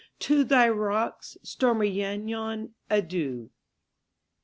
To thy rocks, stormy Llannon, adieu!